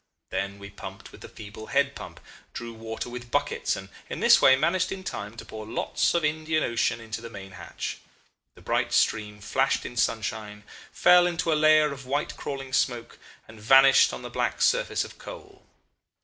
Then we pumped with the feeble head pump, drew water with buckets, and in this way managed in time to pour lots of Indian Ocean into the main hatch. The bright stream flashed in sunshine, fell into a layer of white crawling smoke, and vanished on the black surface of coal.